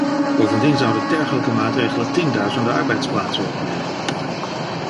Bovendien zouden dergelijke maatregelen tienduizenden arbeidsplaatsen opleveren.